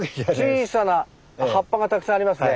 小さな葉っぱがたくさんありますね。